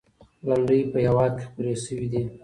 لنډۍ په هېواد کې خپرې سوي دي.